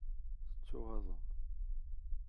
Tettuɣaḍem.